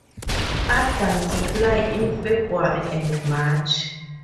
Adults fly in February and March.